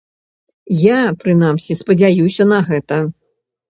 Я, прынамсі, спадзяюся на гэта.